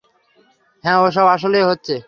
হ্যাঁ, ওসব আসলেই হচ্ছে।